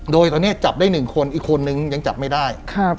โดยตอนนี้จับได้๑คนอีกคนนึงยังจับไม่ได้